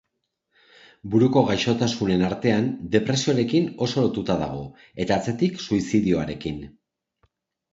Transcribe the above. Buruko gaixotasunen artean, depresioarekin oso lotuta dago, eta atzetik suizidioarekin.